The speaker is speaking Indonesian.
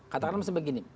katakanlah seperti begini